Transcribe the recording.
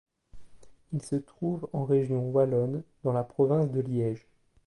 Il se trouve en Région wallonne dans la Province de Liège.